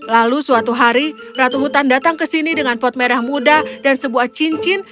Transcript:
lalu suatu hari ratu hutan datang ke sini dengan pot merah muda dan sebuah cincin